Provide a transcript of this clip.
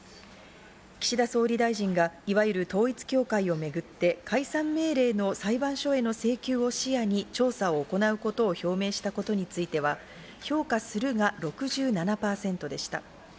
岸田総理大臣がいわゆる統一教会をめぐって解散命令の裁判所への請求を視野に調査を行うことを表明したことについては、評価するが６７％でした。